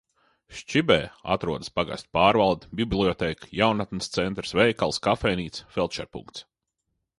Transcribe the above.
Šķibē atrodas pagasta pārvalde, bibliotēka, jaunatnes centrs, veikals, kafejnīca, feldšerpunkts.